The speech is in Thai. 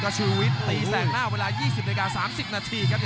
และชีวิตตีแสงหน้าเวลา๒๐นาที๓๐นาที